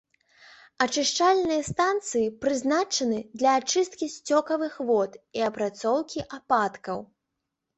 Ачышчальныя станцыі прызначаны для ачысткі сцёкавых вод і апрацоўкі ападкаў.